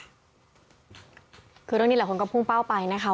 คือเรื่องนี้หลายคนก็พุ่งเป้าไปนะคะ